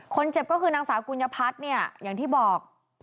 คนเจ็บก็คือนางสาวกุญญพัฒน์เนี่ยอย่างที่บอก